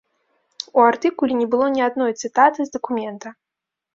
У артыкуле не было ні адной цытаты з дакумента.